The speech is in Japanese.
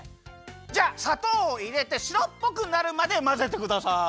じゃあさとうをいれてしろっぽくなるまでまぜてください。